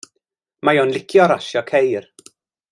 Mae o'n licio rasio ceir.